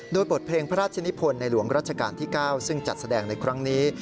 โดยบทเพลงพระราชนิพลในหลวงรัชกาลที่๙ซึ่งจัดแสดงในครั้งนี้